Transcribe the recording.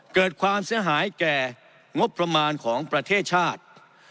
เกิดความเสียหายแก่งบประมาณของประเทศชาติ